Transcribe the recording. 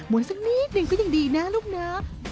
ม้วนสักนิดเด็งก็ยังดีนะลูกนะ